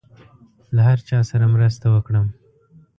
له هر چا سره مرسته وکړم.